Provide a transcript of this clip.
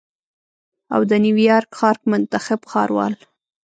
او د نیویارک ښار منتخب ښاروال